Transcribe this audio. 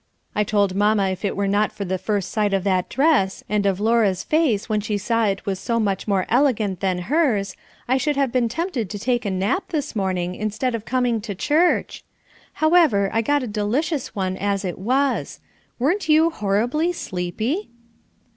I told mamma if it were not for the first sight of that dress, and of Laura's face when she saw it was so much more elegant than hers, I should have been tempted to take a nap this morning instead of coming to church. However, I got a delicious one as it was. Weren't you horribly sleepy?"